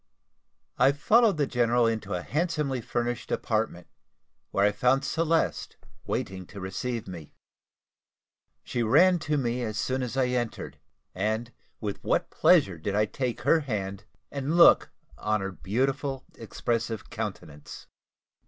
I followed the general into a handsomely furnished apartment, where I found Celeste waiting to receive me. She ran to me as soon as I entered; and with what pleasure did I take her hand, and look on her beautiful, expressive countenance!